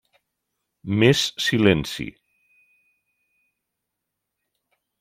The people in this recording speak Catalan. Més silenci.